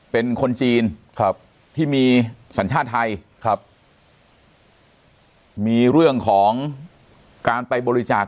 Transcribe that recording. เป็นคนจีนครับที่มีสัญชาติไทยครับมีเรื่องของการไปบริจาค